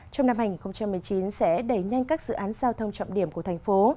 trong năm hai nghìn một mươi chín sẽ đẩy nhanh các dự án giao thông trọng điểm của thành phố